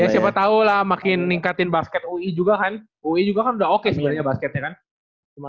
siapa tahu lah makin ningkatin basket ui juga kan ui juga kan udah oke sebenarnya basketnya kan cuma